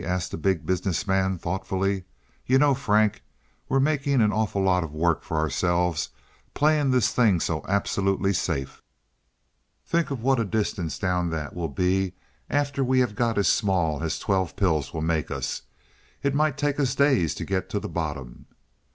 asked the Big Business Man thoughtfully. "You know, Frank, we're making an awful lot of work for ourselves, playing this thing so absolutely safe. Think of what a distance down that will be after we have got as small as twelve pills will make us. It might take us days to get to the bottom."